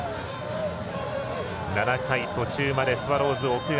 ７回途中までスワローズ奥川